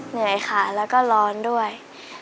ที่ได้เงินเพื่อจะเก็บเงินมาสร้างบ้านให้ดีกว่า